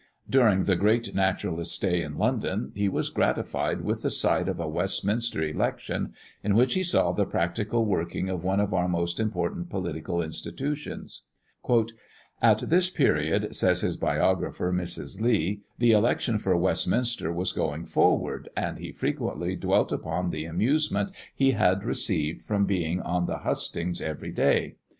During the great naturalist's stay in London, he was gratified with the sight of a Westminster election, in which he saw the practical working of one of our most important political institutions. "At this period," says his biographer, Mrs. Lee, "the election for Westminster was going forward, and he frequently dwelt upon the amusement he had received from being on the hustings every day.